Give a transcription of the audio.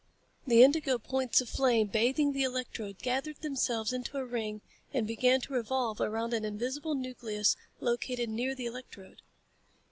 The indigo points of flame bathing the electrode gathered themselves into a ring and began to revolve around an invisible nucleus located near the electrode.